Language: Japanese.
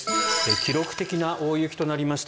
記録的な大雪となりました